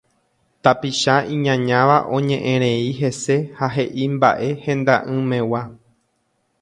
Tapicha iñañáva oñe'ẽre hese ha he'i mba'e henda'ỹmegua.